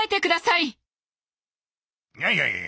いやいやいや！